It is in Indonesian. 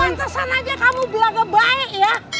pantesan aja kamu belanja baik ya